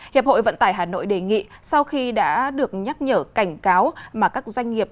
hiệp hội vận tải hà nội đề nghị sau khi đã được nhắc nhở cảnh cáo mà các doanh nghiệp